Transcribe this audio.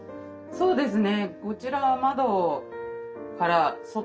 そうですね。